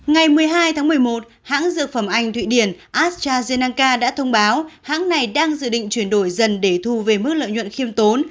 ngày một mươi hai tháng một mươi một hãng dược phẩm anh thụy điển astrazeneanca đã thông báo hãng này đang dự định chuyển đổi dần để thu về mức lợi nhuận khiêm tốn